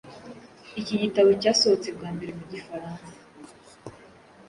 iki gitabo cyasohotse bwa mbere mu Gifaransa